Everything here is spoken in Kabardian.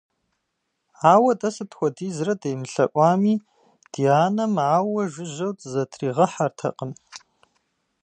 Ауэ дэ сыт хуэдизрэ демылъэӀуами, ди анэм ауэ жыжьэу дызытригъэхьэртэкъым.